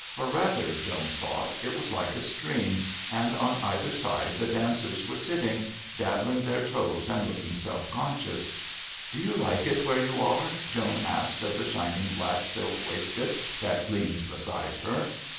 Or rather, Joan thought, it was like a stream, and on either side the dancers were sitting, dabbling their toes and looking self conscious. "Do you like it where you are?" Joan asked of the shining black silk waistcoat that gleamed beside her.